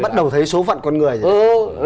bắt đầu thấy số phận con người rồi